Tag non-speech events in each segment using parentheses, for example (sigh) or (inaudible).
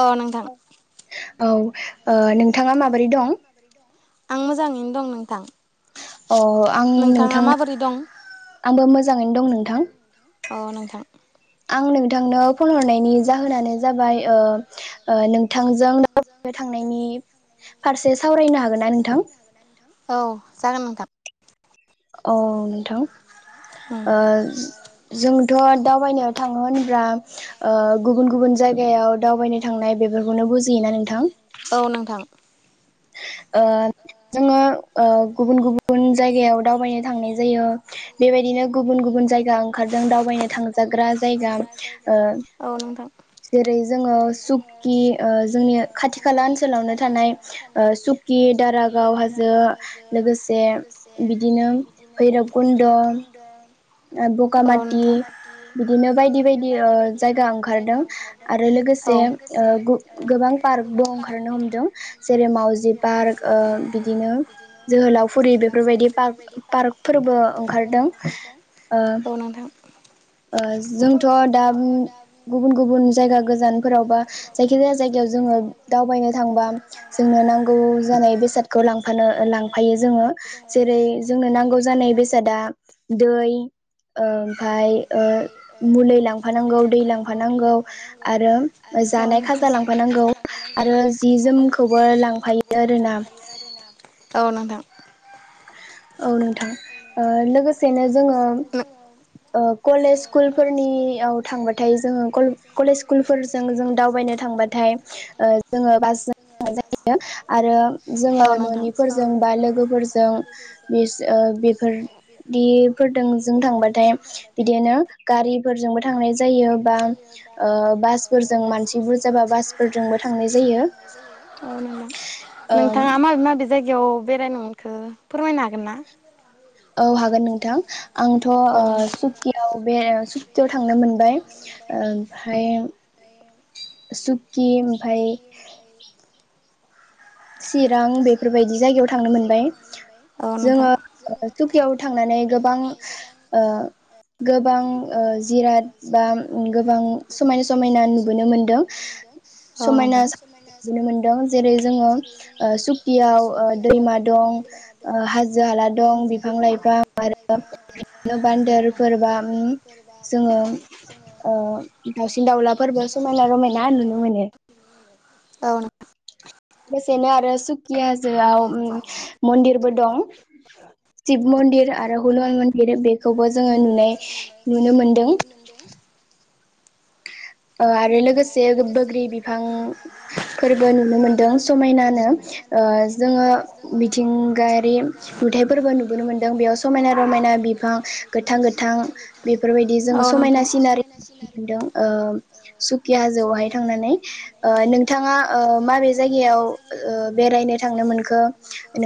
अ नोंथां। औ ओ नोंथाङा माबोरै दं? मोजाङैनो दं नोंथां। अ आं नोंथांनो आंबो मोजाङैनो दं नोंथां। अ नोंथां। आं नो थांनो फन हरनायनि जाहोनानो जाबाय ओ ओ नोंथांजों (unintelligible) थांनायनि फारसे (unintelligible) औ जागोन नोंथां। औ नोंथां। ओ जोंथ' दावबायनो थाङो होनब्ला ओ गुबुन गुबुन जायगायाव दावबायनो थांनाय बेफोरखौनो बुजि यो ना नोंथां? ओ जोङो ओ गुबुन गुबुन जायगायाव दावबायनो थांनाय जायो बेबायदिनो गुबुन गुबुन जायगा ओंखारदों दावबायनो थांजाग्रा जायगा ओ औ नोंथां। जेरै जोङो सुप कि जोंनि खाथि खाला ओनसोलावनो थानाय ओ सुक ओ सुकि दारागाव हाजो लोगोसे बिदिनो भैरब कुन्द। ओ बगामाति बिदिनो बायदि बायदि ओ जायगा ओंखारदों आरो लोगोसे ओ गु गोबां पार्कबो ओंखारनो हमदों जेरै मावजि पार्क ओ बिदिनो जोहोलाव फुरि बेफोर बादि पाक पार्कफोरबो ओंखारदों औ नोंथां। ओ जोंथ दा गुबुन गुबुन जायगा गोजानफोराव जायखिजाया जायगायाव जोङो दावबायनो थांबा जोंनो नांगौ जानाय बेसादखौ लांफानो लांफायो जोङो जेरै जोंनो नांगौ जानाय बेसादा दै ओमफा ओ मुलै लांफानांगौ दै लांफानांगौ आरो जानाय खाजा लांफानांगौ आरो जि जोमखौबो लांफायो आरोना? औ नोंथां औ नोंथां ओ लोगोसेनो जोङो ओ कलेज स्कुलफोरनियाव थांबाथाय जोङो कले कलेज स्कुलफोरजों जों दावबायनो थांबाथाय ओ जोङो बासजों थांनाय जायो आरो जोङो न'निफोरजों बा लोगोफोरजों बेस ओ बेफोरदिजों जों थांबाथाय बिदिनो गारिफोरजोंबो थांनाय जायो बा ओ बासफोरजों मानसि बुरजाबा बासफोरजोंबो थांनाय जायो ओम बेरायनोमोनखो फोरमायनो हागोन ना? औ हागोन नोंथां। आंथ ओ सुकियाव बे ओ सुकियाव थांनो मोनबाय ओमफ्राय सुक कि ओमफाय चिरां बेफोरबायदि जायगायाव थांनो मोनबाय जोङो सुकियाव थांनानै गोबां ओ गोबां ओ जिराद बा गोबां समायना समायना नुबोनो मोनदों समायना नुबोनो मोनदों जेरै जोङो ओ सुकियाव ओ दैमा दं ओ हाजो हाला दं बिफां लाइफां आरो बिदिनो बान्देरफोरबा जोङो ओ दाउसिन दाउलाफोरबो समायना रमायना नुनो मोनो। औ नों लोगोसेनो आरो सुकियाजोआव उम मन्दिरबो दं शिब मन्दिर आरो हनुमान मन बेनो बेखौबो जोङो नुनाय नुनो मोनदों। ओ आरो लोगोसे बोग्रि बिफांफोरबो नुनो मोनदों समायनानो ओ जोंङो मिथिंगायारि नुथायाइफोरबो नुबोनो मोनदों बेयाव समायना रमायना बिफां गोथां गोथां बेफोरबायदि जोंङो समायना सिनारि नुनो मोनदों ओ सुकि हाजोआवहाय थांनानै ओ नोंथांङा ओ माबे जायगायाव ओ बेरायनो थांनो मोनखो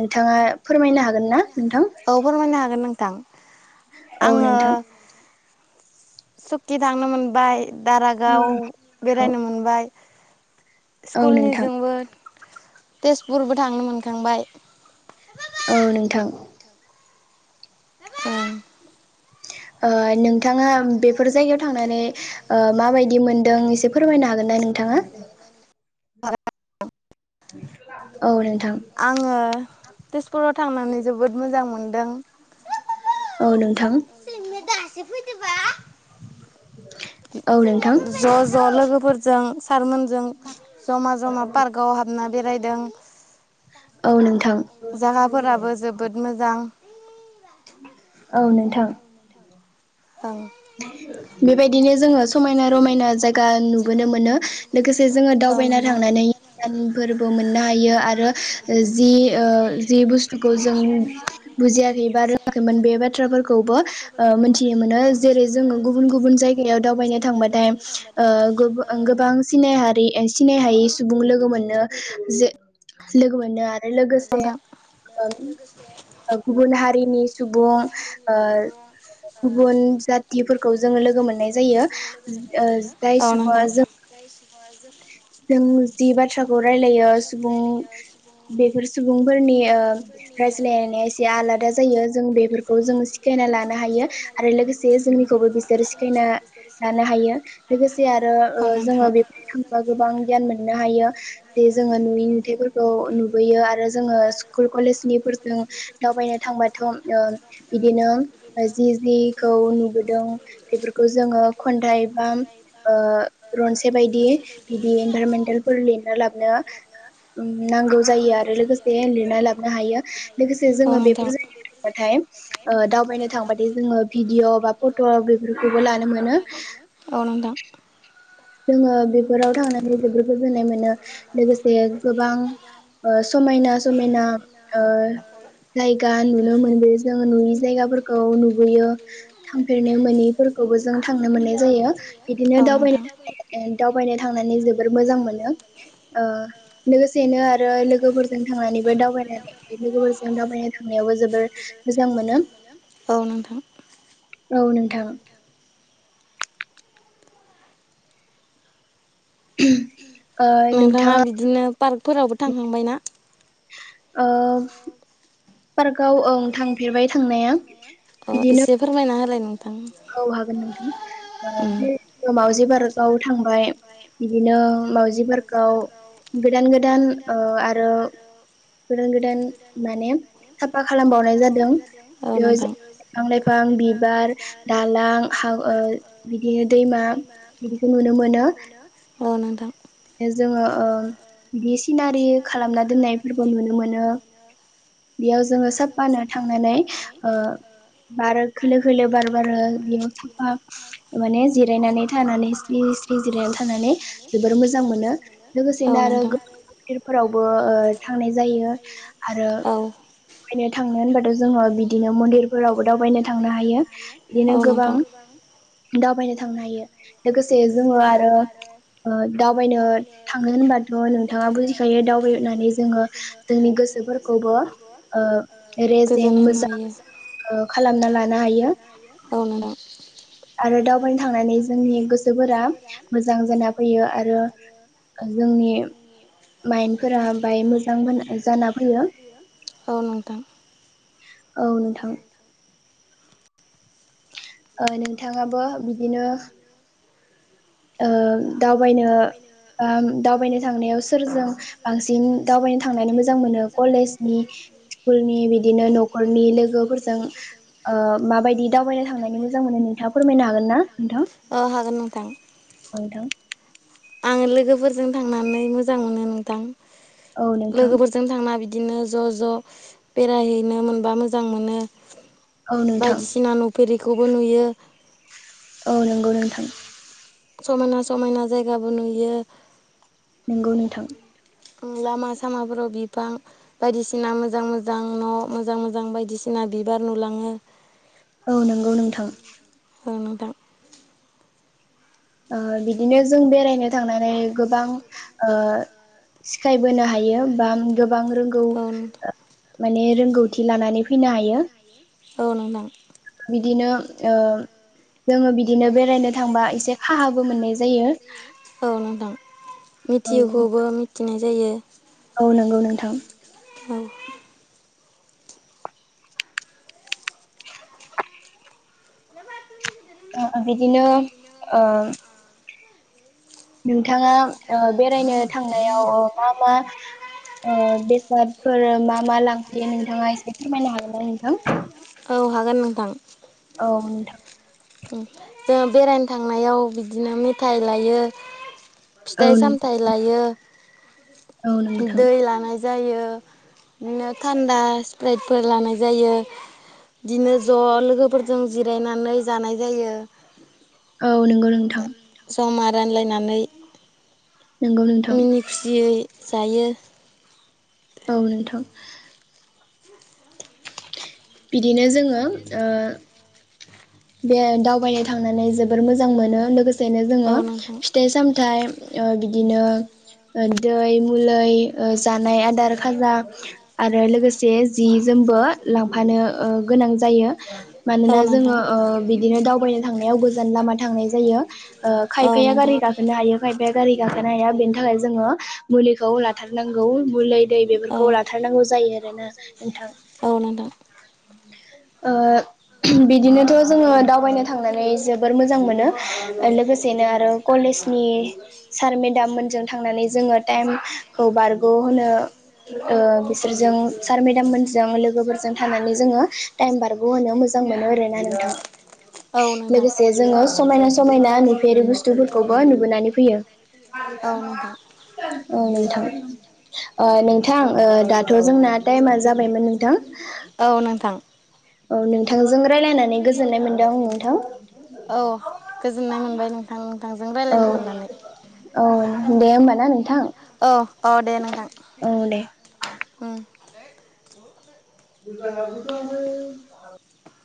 नोंथांङा फोरमायनो हागोन ना नोंथां? दां आंङो सुकि थांनो मोनबाय । दारागाव बेरायनो मोनबाय । स्कुल निजोंबो तेजपुरबो थांनो मोनखांबाय । औ नोंथां । उम्म ओ नोंथांङा बेफोर जायगायाव थांनानै ओ मा बायद दि मोनदोंसे फोरमायनो हागोन ना नोंथांङा? आंङो तेजपुराव थांनानै जोबोद मोजां मोन दों औ नोंथां । दासो फैदो ज ज लोगोफोर जों सारमोन जों जमा जमा पार्कआव हाबना बेरायदों जागाफोराबो जोबोद मोजां । औ नोंथां । बेबायदिनो जोङो समायना रमायना जायगा नुबोनो मोनो लोगोसे जोङो दावबायना थांनानै फोरबो मोननो हायो आरो जि ओ जि बुस्थुखौ जों बुजियाखै बा रोङाखैमोन बे बाथ्राफोरखौबो मिथिनो मोनो । जेरै जोङो गुबुन गुबुन जायगायाव दावबायनो थांबाथाय ओ गोबां सिनायहारि सिनायनो हायि सुबुं लोगो मोननो जे लोगो मोननो आ लोगोसे गुबुन ओ ओ हारिनि सुबुं ओ गुबुन जातिफोरखौ जोंङो लोगो मोननाय जायो जाय सुबुङा जों जोंनि बाथ्राखौ रायलायो सुबुं सुबुंफोरनि ओ रायज्लायनाया एसे आलादा जायो जों बेफोरखौ जों सिखायना लानो हायो आरो लोगोसे जोंनिखौबो बिसोर सिखायना लानो हायो लोगोसे आरो ओ जोंङो बेफोर बा गोबां गियान मोननो हायो जे जोंङो नुयै नुथायफोरखौ नुबोयो । आरो जोङो स्कुल कलेजनि फोरजों दावबायनो थांबाथ बिदिनो जि जिखौ नुबोदों बेफोरखौ जोंङो खन्थाइ बा ओ रनसे बायदि बिदि इनभार मेन्टेलफोर लिरना लाबनो नांगौ जयो लोगोसे लिर लानो हायो लोगोसे जोङो बेफोर ज थबाथाय ओ दावबायनो थांबाथाय जोङो भिदिअ बा फट बेफोरखौबो लानो मोनो । जोङो बेफोराव थांनानै जोबोर गोजोननाय मोनो लोगोसे गोबां ओ समायना समायना ओ जायगा नुनो मोनबो जों नुयि जायगाफोरखौ नुबोयो थांफेरनो मोनैफोरखौबो जों थांनो मोननाय जायो बिदिनो दावबायनाय दावबायनो थांनानै जोबोर मोजां मोनो ओ लोगोसेनो आरो लोगोफोरजों थांनानैबो दावनानै लोगोफोरजों दावबायनो थांनायावबो जोबोर मोजां मोनो औ नोंथां ओ नोंथाङा पार्कफोरावबो थांखांबाय ना? ओ पार्काव ओं थांफेरबाय थांनाया बिदिनो औ हागोन नोंथां। ओ माउजि माउजि पार्काव थांबाय बिदिनो माउजि पार्काव गोदान गोदान ओ आरो गोदान गोदान माने साफा खालामबावनाय जादों बिफां लाइफां बिबार दालां साव ओ बिदिनो दैमा बिदिखौ नुनो मोनो। अ नोंथां। ओ जोङो ओ बिदि सिनारि खालामना दोननायफोरखौ नुनो मोनो बेयाव जोङो साफानो थांनानै ओ बार खोलो खोलो बार बारो बेयाव साफा माने जिरायनानै थानानै सिरि जिरायनो थानानै जोबोर मोजां मोजां मोनो लोगोसेनो आरो गोबां मन्दिरफोरावबो ओ थांनाय जायो आरो दावबायनो थांनो होनबाथ' जोङो बिदिनो मन्दिरफोरावबो दावबायनो थांनो हायो बिदिनो गोबां दावबायनो थांनो हायो। लोगोसे जोङो आरो ओ दावबायनो थाङो होनबाथ' नोंथाङा बुजिखायो दावबायनानै जोङो जोंनि गोसोफोरखौबो ओ रेजें मोजां खालामना लानो हायो आरो दावबायनो थांनानै जोंनि गोसोफोरा मोजां जाना फैयो आरो जोंनि माइन्फोरा बाय मोजां जाना फैयो औ नोंथां। नोंथाङाबो बिदिनो ओ दावबायनो दावबायनो थांनायाव सोरजों बांसिन दावबायनो थांनानै मोजां मोनो कलेजनि स्कुलनि बिदिनो न'खरनि लोगोफोरजों ओ माबायदि दावबायनो थांनानै मोजां मोनो नोंथाङा फोरमायनो हागोन ना नोंथां? थां । आं लोगोफोरजों थांनानै मोजां मोनो नोंथां। लोगोफोरजों थांना बिद बिदिनो ज' ज' बेरायहैनो मोनबा मोजां मोनो। बायदिसिना नुफेरि, बेखौबो नुयो। औ नंगौ नोंथां। समायना समायना जायगाबो नुयो। नंगौ नोंथां। लामा सामाफोराव बिफां बायदिसिना मोजां मोजां न' मोजां मोजां बायदिसिना बिबार नुलाङो। औ नंगौ नोंथां। औ नोंथां। ओ बिदिनो जों बेरायनो थांनानै गोबां ओ सिखाय बोनो हायो बा गोबां रोंगौ माने रों रोंगौथि लानानै फैनो हायो। औ नोंथां। बिदिनो ओ जोङो बिदिनो बेरायनो थांबा एसे। औ नोंथां मिथियैखौबो मिथि फिनाय जायो। औ नंगौ नोंथां औ ओ ओ बिदिनो ओ नोंथाङा बेरायनो थांनायाव मा मा ओ बेसादफोर मा मा लांफयो नोंथाङा एसे फोरमायनो हागोन न नोंथां? औ हागोन नोंथां औ नोंथां जों बेरायनो थांनायाव बिदिनो मेथाइ लायो, फिथाइ सामथायाइ लायो दै लानाय जायो बिदिनो थान्दा स्प्राइटफोर लानाय जायो बिदिनो ज लोगोफोरजों जिरायनानै जानाय जायो औ नंगौ नोंथां जमा रानलायनानै (inaudible) नंगौ नोंथां, जायो। औ नोंथां बिदिनो जोङो ओ बे दावबायनो थांनानै जोबोर मोजां मोनो लोगोसे, सेनो जोङो फिथाइ सामथाइ ओ बिदिनो दै मुलै ओ जानाय आदार खाजा आरो लोगोसे जि जोमबो लामायाव लांफानो ओ गोनां जायो। मानोना जोङो ओ बिदिनो दावबाय थांनायाव गोजान लामा थांनाय जायो। ओ खायफाया गारि गाखोनो हायो खायफाया गारि गाखोनो हाया बेनि थाखाय जोङो मुलिखौ लाथारनांगौ मुलि दै बेफोरखौ लाथारनांगौ जायो आरोना नोंथां। ओ बिदिनोथ' जोङो दावबायनो थांनानै (unintelligible) बोर मोजां मोनो लोगोसेनो आरो कलेजनि सार मेदाम मोनजों थांनानै जोङो टाइमखौ बारग'होनो ओ बिसोरजों सार मेदाम मोनजों लोगोफोर थांनानै जोङो टाइम बारग' होनो मोजां मोनो आरोना नोंथां। लोगोसे जों समायना समायना नुफेरि बुस्थुफोरखौबो नुबोनानै फैयो। (unintelligible) औ नोंथां अ नोंथां ओ दा थ' जोंना टाइमा जाबायमोन नोंथां औ नोंथां औ नोंथां जोंङो रायलायनानै गोजोननाय मोन्दो आङो। थ औ गोजोननाय मोनबाय नोंथां। औ औ दे होमबाना नोंथां। अ दे नोंथां उम (inaudible) (inaudible)